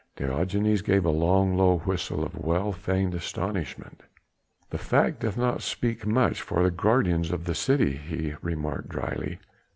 Diogenes gave a long, low whistle of well feigned astonishment. "The fact doth not speak much for the guardians of the city," he remarked dryly.